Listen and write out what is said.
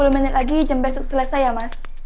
sepuluh menit lagi jam besok selesai ya mas